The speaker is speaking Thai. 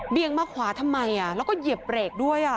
มาขวาทำไมแล้วก็เหยียบเบรกด้วย